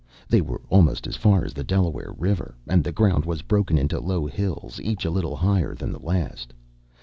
They were almost as far as the Delaware River, and the ground was broken into low hills, each a little higher than the last.